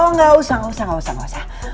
nggak usah nggak usah